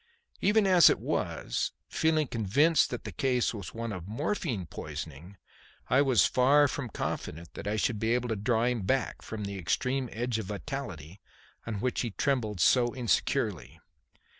Even as it was, feeling convinced that the case was one of morphine poisoning, I was far from confident that I should be able to draw him back from the extreme edge of vitality on which he trembled so insecurely.